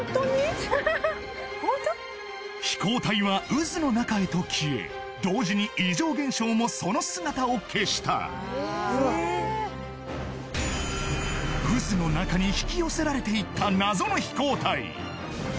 飛行体は渦の中へと消え同時に異常現象もその姿を消した渦の中に引き寄せられていった謎の飛行体